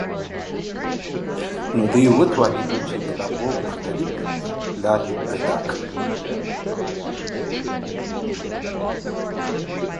Thus, they venerated a rich variety of aquatic divinities.